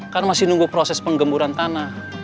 kan masih nunggu proses penggemburan tanah